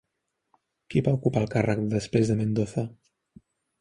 Qui va ocupar el càrrec després de Mendoza?